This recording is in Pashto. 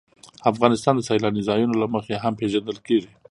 افغانستان د سیلاني ځایونو له مخې هم پېژندل کېږي.